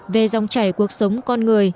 về dòng chảy cuộc sống con người